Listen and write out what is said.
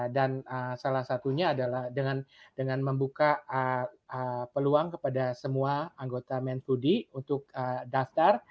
dan salah satunya adalah dengan membuka peluang kepada semua anggota man dua d untuk daftar